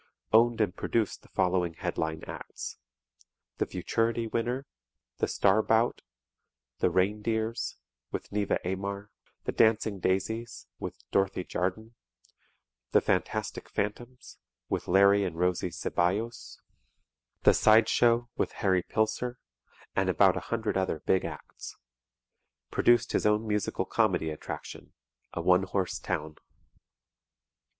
Owned and produced the following headline acts: "The Futurity Winner," "The Star Bout," "The Rain dears," with Neva Aymar; "The Dancing Daisies," with Dorothy Jardon; "The Phantastic Phantoms," with Larry and Rosie Ceballos; "The Side Show," with Harry Pilcer, and about 100 other big acts. Produced his own musical comedy attraction, "A One Horse Town."